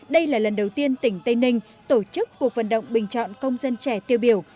đây là lần đầu tiên tỉnh tây ninh tổ chức cuộc vận động bình chọn công dân trẻ tiêu biểu